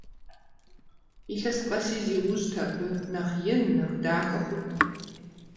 Илъэс къэси зиужьырт абы – нэхъ ин, нэхъ дахэ хъурт.